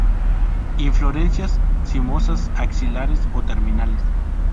Inflorescencias cimosas, axilares o terminales.